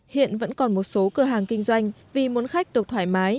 hiện vẫn còn một số cửa hàng kinh doanh vì muốn khách được thoải mái